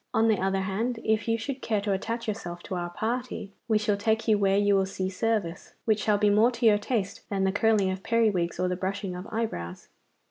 On the other hand, if you should care to attach yourself to our party, we shall take you where you will see service which shall be more to your taste than the curling of periwigs or the brushing of eyebrows.